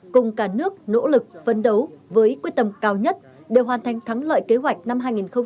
cùng cả nước nỗ lực phấn đấu với quyết tâm cao nhất để hoàn thành thắng lợi kế hoạch năm hai nghìn hai mươi